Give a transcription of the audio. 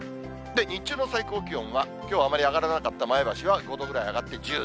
日中の最高気温は、きょうはあまり上がらなかった前橋は５度ぐらい上がって１０度。